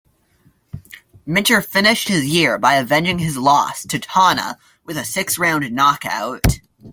Minter finished his year by avenging his loss to Tonna with a six-round knockout.